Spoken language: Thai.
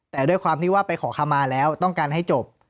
แต่ด้วยความที่ว่าไปขอคำมาแล้วต้องการให้จบ